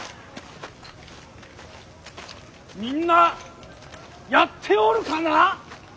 みんなやっておるかな。